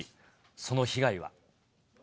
その被害は？